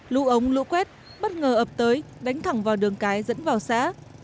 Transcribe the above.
lũ ống lũ quét bất ngờ ập tới đánh thẳng vào đường cái dẫn vào xã